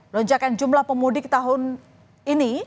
lonjakan jumlah pemudik tahun ini